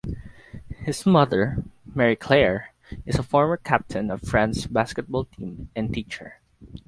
His mother, Marie-Claire, is a former captain of France's basketball team and teacher.